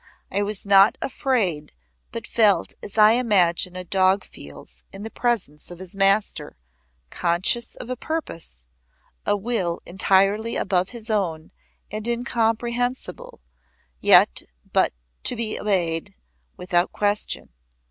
I was not afraid but felt as I imagine a dog feels in the presence of his master, conscious of a purpose, a will entirely above his own and incomprehensible, yet to be obeyed without question.